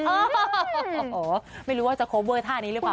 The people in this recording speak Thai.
โอ้โหไม่รู้ว่าจะโคเวอร์ท่านี้หรือเปล่า